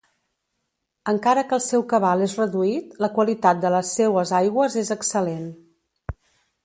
Encara que el seu cabal és reduït, la qualitat de les seues aigües és excel·lent.